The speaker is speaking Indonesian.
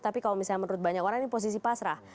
tapi kalau misalnya menurut banyak orang ini posisi pasrah